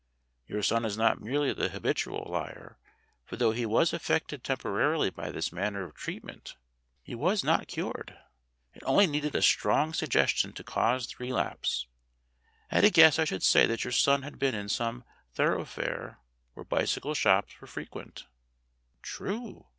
Your son is not merely the habitual liar, for though he was affected tempo rarily by this manner of treatment he was not cured. 60 STORIES WITHOUT TEARS It only needed a strong suggestion to cause the re lapse. At a guess I should say that your son had been in some thoroughfare where bicycle shops were fre quent." "True.